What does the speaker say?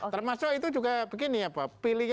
termasuk itu juga begini ya pak